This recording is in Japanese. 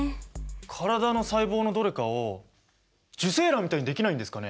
体の細胞のどれかを受精卵みたいにできないんですかね？